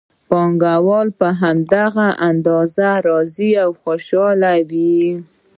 پانګوال په هماغه اندازه راضي او خوشحاله وي